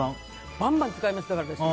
バンバン使いますから、私。